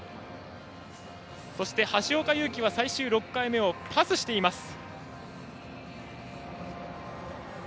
そして、橋岡優輝は最終６回目をパスしています。